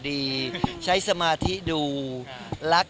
พี่ตัดต่อเรียบร้อยแล้ว